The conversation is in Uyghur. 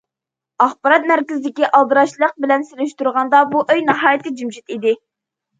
ئاخبارات مەركىزىدىكى ئالدىراشلىق بىلەن سېلىشتۇرغاندا، بۇ ئۆي ناھايىتى جىمجىت ئىدى.